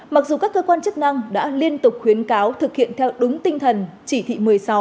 mặc dù các cơ quan chức năng đã liên tục khuyến cáo thực hiện theo đúng tinh thần chỉ thị một mươi sáu